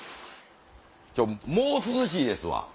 もう涼しいですわ。